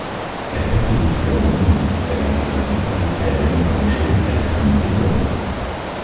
Elles portent des fleurs monoïques, avec des glandes nectarifères réniformes jaunes à extrémités cornues.